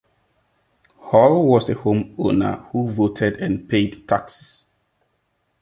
Hall was a homeowner who voted and paid taxes.